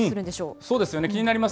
そうですよね、気になります。